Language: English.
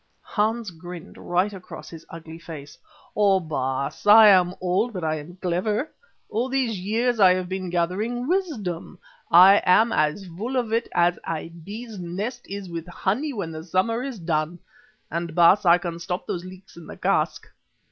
Hans grinned right across his ugly face. "Oh! Baas, I am old, but I am clever. All these years I have been gathering wisdom. I am as full of it as a bee's nest is with honey when the summer is done. And, Baas, I can stop those leaks in the cask."